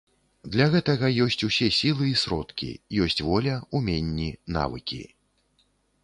Для гэтага ёсць усе сілы і сродкі, ёсць воля, уменні, навыкі.